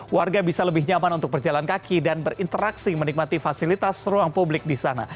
warga bisa lebih nyaman untuk berjalan kaki dan berinteraksi menikmati fasilitas ruang publik di sana